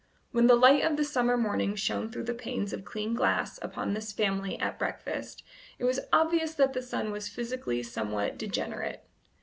When the light of the summer morning shone through the panes of clean glass upon this family at breakfast, it was obvious that the son was physically somewhat degenerate.